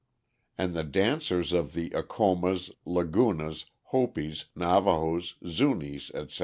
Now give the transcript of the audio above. And the dancers of the Acomas, Lagunas, Hopis, Navahos, Zunis, etc.